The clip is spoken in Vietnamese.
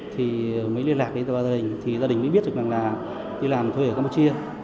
thì mới liên lạc với gia đình thì gia đình mới biết được rằng là đi làm thuê ở campuchia